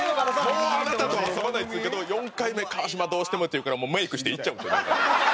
もうあなたとは遊ばないっていうけど４回目「川島どうしても」っていうからメイクして行っちゃうんですよ。